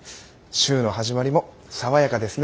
週の始まりも爽やかですね。